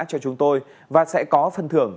cho chúng tôi và sẽ có phân thưởng